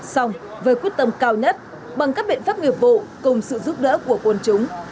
xong với quyết tâm cao nhất bằng các biện pháp nghiệp vụ cùng sự giúp đỡ của quân chúng